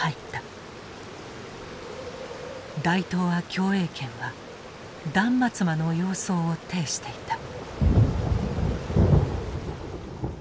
大東亜共栄圏は断末魔の様相を呈していた。